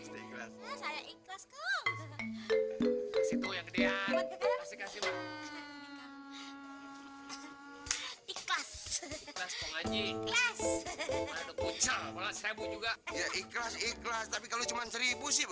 dia kasih kamu ikhlas ikhlas ikhlas ikhlas ikhlas ikhlas tapi kalau cuman sribu sih